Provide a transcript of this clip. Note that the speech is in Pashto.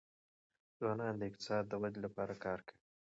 ځوانان د اقتصاد د ودي لپاره کار کوي.